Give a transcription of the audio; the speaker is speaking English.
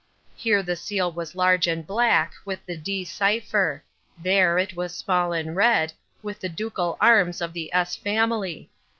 Here the seal was large and black, with the D—— cipher; there it was small and red, with the ducal arms of the S—— family.